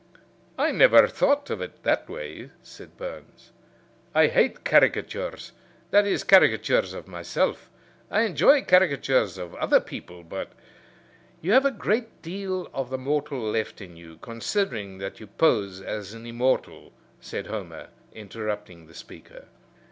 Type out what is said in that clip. "I never thought of it in that way," said Burns. "I hate caricatures that is, caricatures of myself. I enjoy caricatures of other people, but " "You have a great deal of the mortal left in you, considering that you pose as an immortal," said Homer, interrupting the speaker.